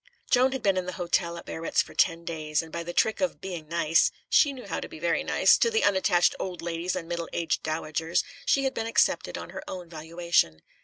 Joan had been in the hotel at Biarritz for ten days, and by the trick of "being nice" (she knew how to be very nice) to the unattached old ladies and middle aged dowagers, she had been accepted on her own valuation.